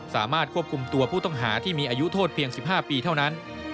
สามารถควบคุมตัวผู้ต้องหาที่มีอายุโทษเพียง๑๕ปีเท่านั้น